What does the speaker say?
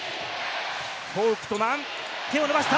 フォウクトマン、手を伸ばした。